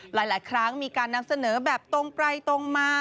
หลายครั้งมีการนำเสนอแบบตรงไปตรงมา